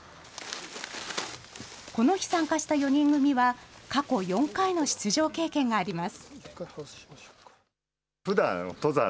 この日参加した４人組は、過去４回の出場経験があります。